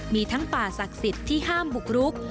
มีทั้งป่าศักดิ์สิทธิ์ที่ห้ามบุกรุก